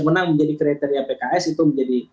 menang menjadi kriteria pks itu menjadi